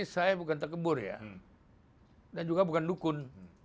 saya bukan terkebur ya dan juga bukan dukun